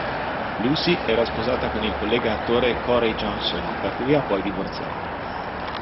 Lucy era sposata con il collega attore Corey Johnson, da cui ha poi divorziato.